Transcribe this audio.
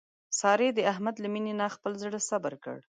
سارې د احمد له مینې نه خپل زړه صبر کړ.